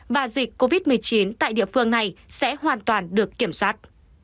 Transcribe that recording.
và dịch covid một mươi chín tại địa phương này sẽ hoàn toàn được kiểm soát